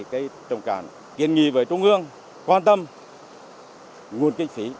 cái trồng cản kiện nghị với trung ương quan tâm nguồn kinh phí